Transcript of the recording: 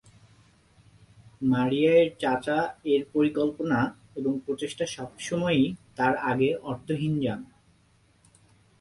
মারিয়া এর চাচা এর পরিকল্পনা এবং প্রচেষ্টা সবসময় তার আগে অর্থহীন যান।